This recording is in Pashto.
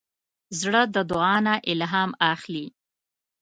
زړه د دعا نه الهام اخلي.